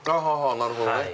なるほどね。